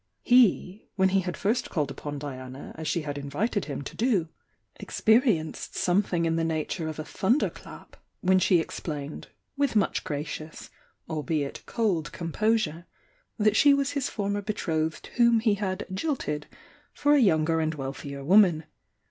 He, when he had first called upon Diana as she had in vited him to do, experienced something in the nature of a thunder clap, when she explained, with much gracious, albeit cold composure, that she was his for mer betrothed whom he had ''jilted" for a younger and wealthier woman.